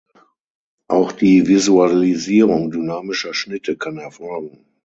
Auch die Visualisierung dynamischer Schnitte kann erfolgen.